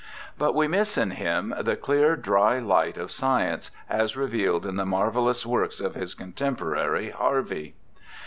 But we miss in him the clear, dry light of science as revealed in the marvellous works of his con temporary, Harvey.